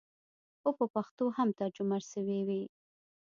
خو په پښتو هم ترجمه سوې وې.